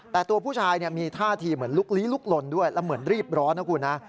แต่ตัวผู้ชายมีท่าทีเหมือนลุกลี้ลุกลนด้วยแล้วเหมือนรีบร้อนนะคุณนะ